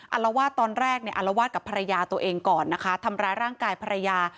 อารวาสตอนแรกเนี่ยอารวาสกับภรรยาตัวเองก่อนนะคะทำร้ายร่างกายภรรยา